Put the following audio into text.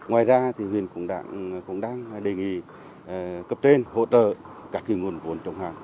ngoài ra thì huyện cũng đang đề nghị cấp trên hỗ trợ các nguồn vốn trong hàng